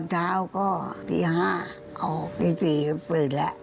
เช้าก็ที่๕ออกที่๔ก็เปิดแล้ว